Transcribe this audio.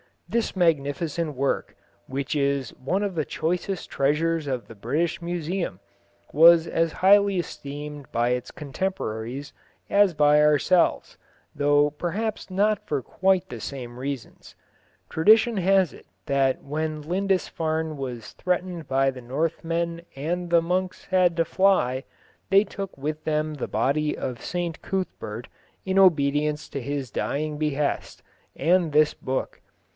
This magnificent work, which is one of the choicest treasures of the British Museum, was as highly esteemed by its contemporaries as by ourselves, though perhaps not for quite the same reasons. Tradition has it that when Lindisfarne was threatened by the Northmen and the monks had to fly, they took with them the body of St Cuthbert, in obedience to his dying behest, and this book.